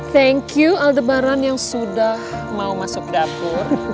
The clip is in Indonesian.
thank you aldebaran yang sudah mau masuk dapur